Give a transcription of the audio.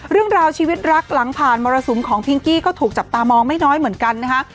เรื่องราวชีวิตรักหลังผ่านมรสุมของพิงกี้ก็ถูกจับตามองไม่น้อยเหมือนกันนะคะ